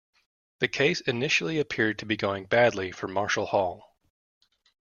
The case initially appeared to be going badly for Marshall-Hall.